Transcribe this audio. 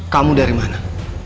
kamu dari mana